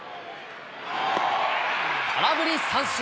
空振り三振。